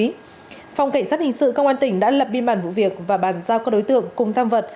phòng cảnh sát hình sự công an tỉnh đã lập biên bản vụ việc và bàn giao các đối tượng cùng tham vật